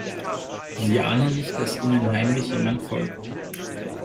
Sie ahnen nicht, dass ihnen heimlich jemand folgt.